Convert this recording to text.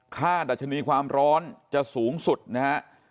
ค่าดัชนีความร้อนจะสูงสุดนะครับ